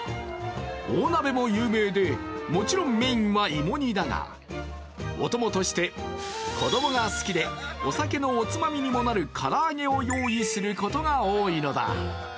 大鍋も有名で、もちろんメインは芋煮だが、お供として子供が好きで、お酒のおつまみにもなる唐揚げを用意することが多いのだ。